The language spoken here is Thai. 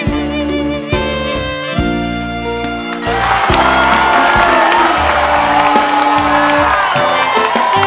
ในตรงนี้ต้องมีส่วนหนังมากขอขอบคุณค่ะ